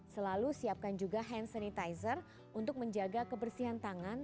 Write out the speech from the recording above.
selalu siapkan juga hand sanitizer untuk menjaga kebersihan tangan